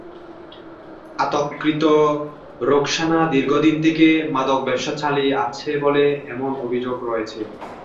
আটককৃত রোকসানা দীর্ঘদিন থেকে মাদক ব্যবসা চালিয়ে আসছে বলে এমন অভিযোগও রয়েছে।